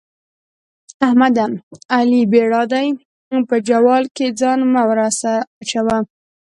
احمده؛ علي بېړا دی - په جوال کې ځان مه ورسره اچوه.